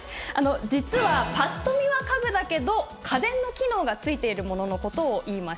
実はぱっと見は、家具だけど家電の機能が付いているものをいいます。